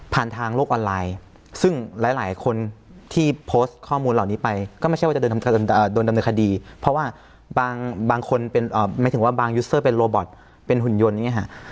ทางโลกออนไลน์ซึ่งหลายคนที่โพสต์ข้อมูลเหล่านี้ไปก็ไม่ใช่ว่าจะโดนดำเนินคดีเพราะว่าบางคนเป็นหมายถึงว่าบางยูสเซอร์เป็นโรบอตเป็นหุ่นยนต์อย่างนี้ค่ะ